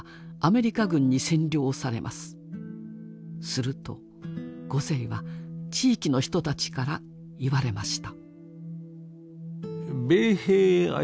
するとゴゼイは地域の人たちから言われました。